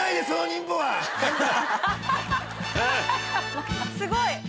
すごい。